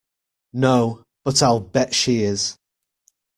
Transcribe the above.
No, but I'll bet she is.